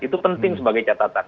itu penting sebagai catatan